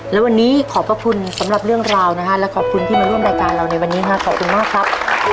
และวันนี้ขอบพระคุณสำหรับเรื่องราวนะฮะและขอบคุณที่มาร่วมรายการเราในวันนี้ฮะขอบคุณมากครับ